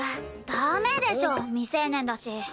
ダメでしょ未成年だし。